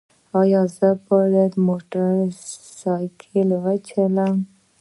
ایا زه باید موټر سایکل وچلوم؟